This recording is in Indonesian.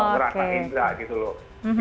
kalau mau merasa indah gitu loh